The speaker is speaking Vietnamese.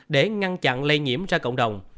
để ngăn chặn lây nhiễm ra cộng đồng